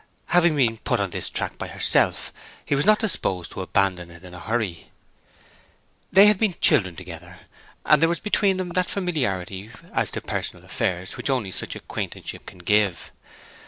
Having been put on this track by herself, he was not disposed to abandon it in a hurry. They had been children together, and there was between them that familiarity as to personal affairs which only such acquaintanceship can give.